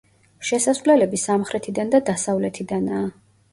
შესასვლელები სამხრეთიდან და დასავლეთიდანაა.